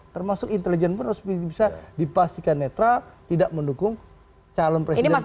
termasuk intelijen pun harus bisa dipastikan netral tidak mendukung calon presiden